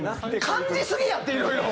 感じすぎやっていろいろ！